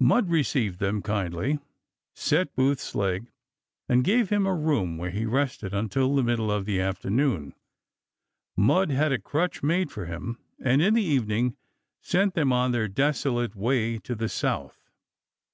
Mudd received them kindly, set Booth's leg, and gave him a room where he rested until the middle of the afternoon ; Mudd had a crutch made for him, and in the evening sent them on their desolate way to the South.